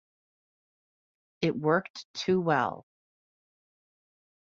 It worked too well.